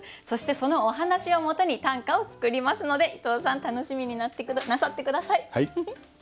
そしてそのお話をもとに短歌を作りますので伊藤さん楽しみになさって下さい。